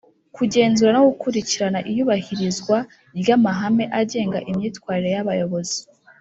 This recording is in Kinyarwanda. kugenzura no gukurikirana iyubahirizwa ry’amahame agenga imyitwarire y’abayobozi